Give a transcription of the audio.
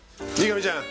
見上ちゃん